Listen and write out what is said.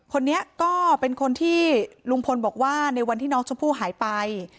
คนนี้ก็เป็นคนที่ลุงพลบอกว่าในวันที่น้องชมพู่หายไป